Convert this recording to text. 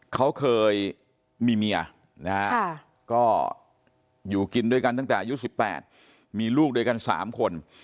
เขาเคยมีเมียนะฮะก็อยู่กินด้วยกันตั้งแต่อายุ๑๘มีลูกด้วยกัน๓คน